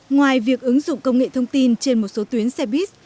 ngoài việc ứng dụng công nghệ thông tin trên một số tuyến xe buýt